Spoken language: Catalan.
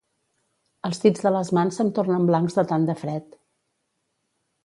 Els dits de les mans se'm tornen blancs de tant de fred